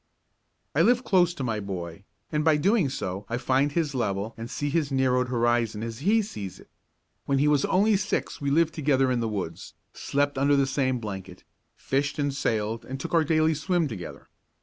I live close to my boy, and by so doing I find his level and see his narrowed horizon as he sees it. When he was only six we lived together in the woods, slept under the same blanket, fished and sailed and took our daily swim together.